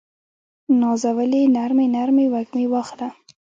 نازولې نرمې، نرمې وږمې واخله